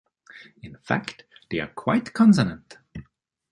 In fact, they are quite consonant.